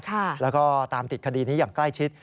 แล้วก็ตามติดคดีนี้อย่างใกล้ชิด